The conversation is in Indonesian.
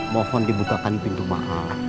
mohon dibukakan pintu mahal